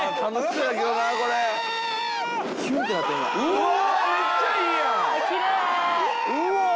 うわ！